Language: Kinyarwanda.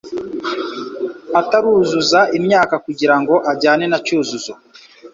ataruzuza imyaka kugira ngo ajyane na Cyuzuzo.